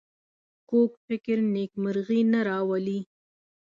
کوږ فکر نېکمرغي نه راولي